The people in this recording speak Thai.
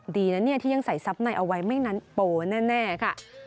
ดีนะนี่ที่ยังใส่ทราบหน่อยเอาไว้ไม่นั้นโปรแน่ค่ะ